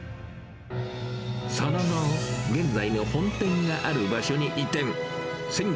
その後、現在の本店がある場所に移転。